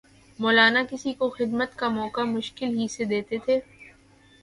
مولانا کسی کو خدمت کا موقع مشکل ہی سے دیتے تھے